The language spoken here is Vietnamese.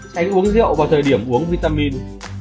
tránh uống rượu vào thời điểm uống vitamin